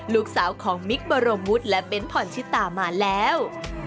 ลูกสาวของมิคเบอร์โรมวุทธ์และเบนท์ผ่อนชิตามาแล้ว